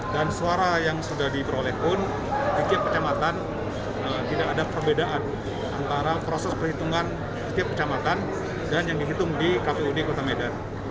dan suara yang sudah diperoleh pun di keputusan kota medan tidak ada perbedaan antara proses perhitungan di keputusan kota medan dan yang dihitung di kpud kota medan